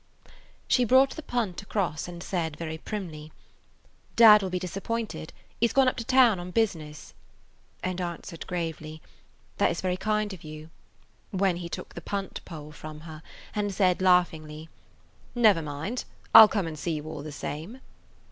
She brought the punt across and said very primly, "Dad will be disappointed; he 's gone up to town on business," and answered gravely, "That is very kind of you," when he took the punt pole from [Page 73] her and said laughingly: "Never mind. I 'll come and see you all the same."